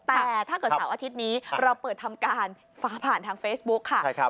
แต่ถ้าเกิดเสาร์อาทิตย์นี้เราเปิดทำการฟ้าผ่านทางเฟซบุ๊คค่ะ